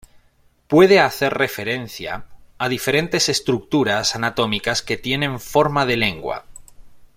Puede hacer referencia a diferentes estructuras anatómicas que tienen forma de lengua.